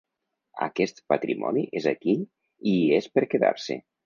Aquest patrimoni és aquí i hi és per quedar-se.